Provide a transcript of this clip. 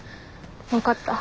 分かった。